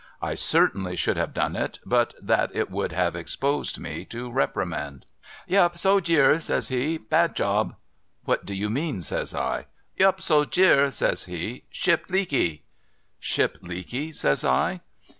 I certainly sliould have done it, but that it would have exposed mc to reprimand, ' Yup, So Jecr !' says he. ' Bad job.' ' What do you mean ?' says I. ' Yup, So Jeer !' says he, ' Ship Leakee.' 'Ship leaky?' says I.